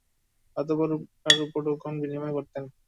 অতঃপর উপহার-উপঢৌকন বিনিময় করতেন।